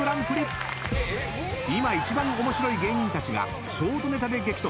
［今一番面白い芸人たちがショートネタで激突］